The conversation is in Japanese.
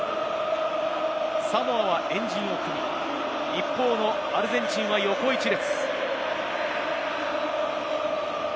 サモアは円陣を組み、一方のアルゼンチンは横一列。